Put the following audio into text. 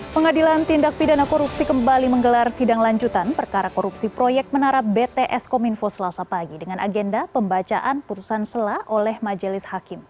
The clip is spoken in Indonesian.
pengadilan tindak pidana korupsi kembali menggelar sidang lanjutan perkara korupsi proyek menara bts kominfo selasa pagi dengan agenda pembacaan putusan selah oleh majelis hakim